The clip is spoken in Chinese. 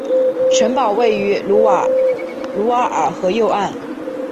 城堡位于卢瓦尔河右岸。